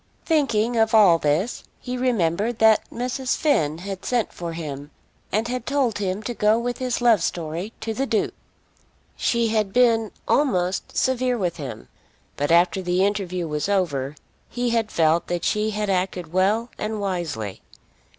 Thinking of all this he remembered that Mrs. Finn had sent for him and had told him to go with his love story to the Duke. She had been almost severe with him; but after the interview was over, he had felt that she had acted well and wisely.